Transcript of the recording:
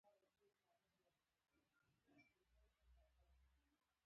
يوه وړه ډبره يې ور واخيسته.